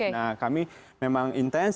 nah kami memang intens